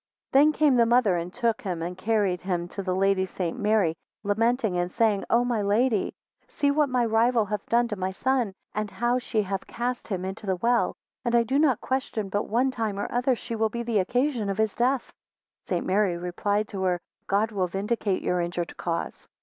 11 Then came the mother and took him and carried him to the Lady St. Mary, lamenting, and saying, O my Lady, see what my rival hath done to my son, and how she hath cast him into the well, and I do not question but one time or other she will be the occasion of his death. 12 St. Mary replied to her, God will vindicate your injured cause.